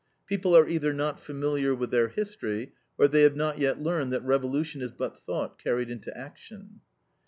People are either not familiar with their history, or they have not yet learned that revolution is but thought carried into action.